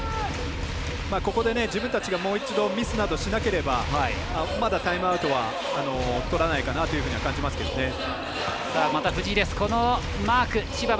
ここで自分たちがもう一度、ミスしなければまだタイムアウトはとらないかなというふうには感じますけどね。